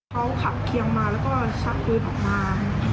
เขาขับเคียงมาแล้วก็ชักปืนออกมา